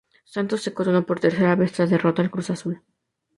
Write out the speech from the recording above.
Santos se coronó por tercera vez tras derrotar al Cruz Azul.